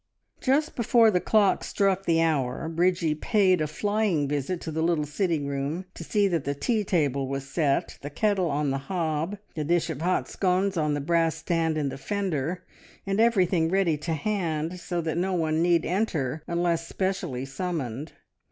Just before the clock struck the hour Bridgie paid a flying visit to the little sitting room to see that the tea table was set, the kettle on the hob, the dish of hot scones on the brass stand in the fender, and everything ready to hand, so that no one need enter unless specially summoned.